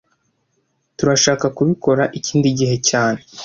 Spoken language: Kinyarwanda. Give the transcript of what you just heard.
Turashaka kubikora ikindi gihe cyane